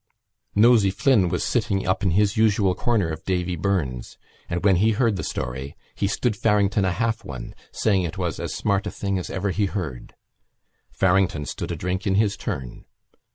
Nosey Flynn was sitting up in his usual corner of Davy Byrne's and, when he heard the story, he stood Farrington a half one, saying it was as smart a thing as ever he heard. Farrington stood a drink in his turn.